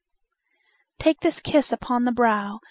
Take this kiss upon the brow!